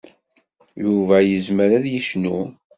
Yuba yezmer ad yecnu.